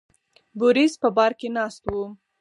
بوریس په بار کې ناست و.